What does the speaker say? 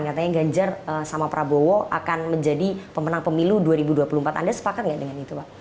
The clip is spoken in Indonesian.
jadi apa yang saya ganjar sama prabowo akan menjadi pemenang pemilu dua ribu dua puluh empat anda sepakat nggak dengan itu pak